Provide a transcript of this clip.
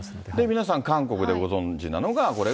皆さん韓国でご存じなのが、これが。